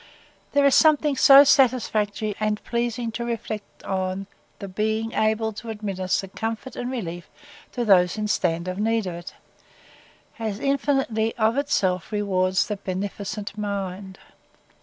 There is something so satisfactory and pleasing to reflect on the being able to administer comfort and relief to those who stand in need of it, as infinitely, of itself, rewards the beneficent mind.